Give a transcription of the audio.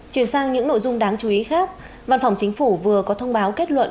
chuyển sang những nội dung đáng chú ý khác văn phòng chính phủ vừa có thông báo kết luận